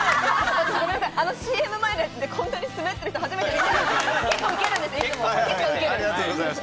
ＣＭ前のやつでこんなにスベってる人初めて見ました。